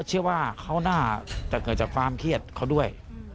เชื่อว่าเขาน่าจะเกิดจากความเครียดเขาด้วย